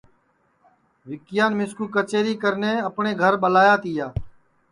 وکیان مِسکو کچیری کرنے اپٹؔے گھر ٻلایا تیا